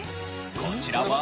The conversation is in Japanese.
こちらは。